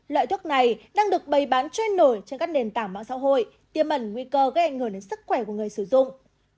loại thuốc này đang được bày bán trôi nổi trên các nền tảng mạng xã hội tiêm ẩn nguy cơ gây ảnh hưởng đến sức khỏe của người sử dụng